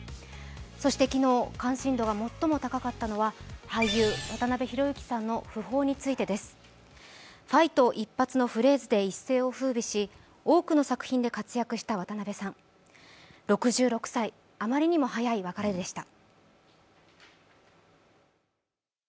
そして昨日、関心度が最も高かったのは俳優・渡辺裕之さんの訃報についてです。「ファイト！一発！」のフレーズで一世を風靡し多くの作品で活躍した渡辺さん６６歳、あまりにも早い別れでした。